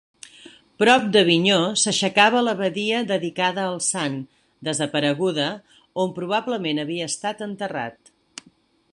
Prop d'Avinyó s'aixecava l'abadia dedicada al sant, desapareguda, on probablement havia estat enterrat.